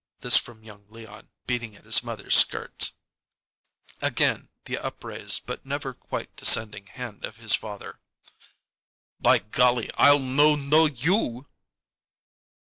This from young Leon, beating at his mother's skirts. Again the upraised but never quite descending hand of his father. "By golly! I'll 'no no' you!"